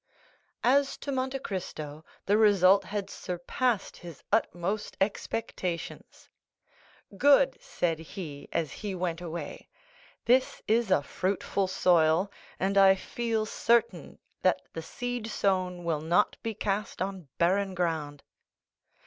As to Monte Cristo the result had surpassed his utmost expectations. "Good," said he, as he went away; "this is a fruitful soil, and I feel certain that the seed sown will not be cast on barren ground."